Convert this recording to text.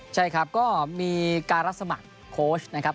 ใช่ครับก็มีการรับสมัครโค้ชนะครับ